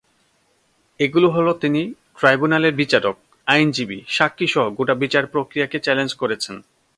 এগুলো হলো তিনি ট্রাইব্যুনালের বিচারক, আইনজীবী, সাক্ষীসহ গোটা বিচারপ্রক্রিয়াকে চ্যালেঞ্জ করেছেন।